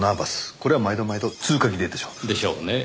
これは毎度毎度通過儀礼でしょう。でしょうねぇ。